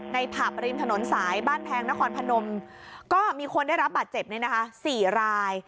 ในผัพริมถนนสายบ้านแพงนครพนมก็มีคนได้รับบัตรเจ็บเนี่ยนะคะ๔ราย